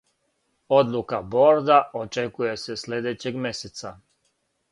Одлука борда очекује се следећег месеца.